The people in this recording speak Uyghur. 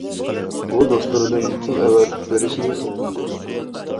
ئۇ دوستلىرىدىن پۇل ئەۋەتىپ بېرىشنى ئۆتۈندى.